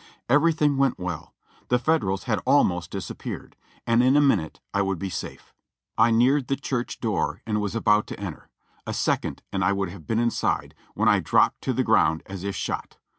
Everything went Avell ; the Federals had almost disappeared, and in a minute I would be safe. I neared the church door and CAPTURED 451 was about to enter ; a second and I would have been inside, when I dropped to the ground as if shot.